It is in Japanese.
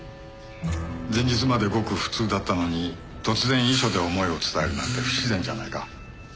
前日までごく普通だったのに突然遺書で思いを伝えるなんて不自然じゃないか？